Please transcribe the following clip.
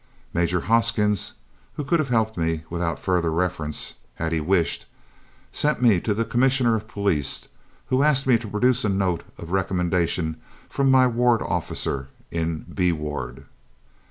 "Major Hoskins (who could have helped me without further reference had he wished) sent me to the Commissioner of Police, who asked me to produce a note of recommendation from my 'ward officer' in B. Ward.